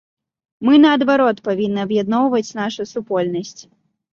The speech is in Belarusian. Мы, наадварот, павінны аб'ядноўваць нашу супольнасць.